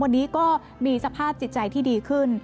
วันนี้ก็มีสภาพจิตใจที่ดีขึ้น